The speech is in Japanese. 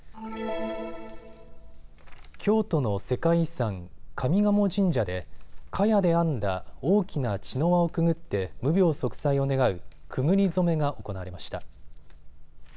京都の世界遺産、上賀茂神社でかやで編んだ大きな茅の輪をくぐって無病息災を願うくぐり初めが行われました。